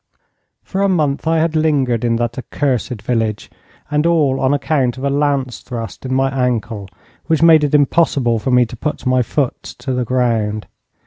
For a month I had lingered in that accursed village, and all on account of a lance thrust in my ankle, which made it impossible for me to put my foot to the ground.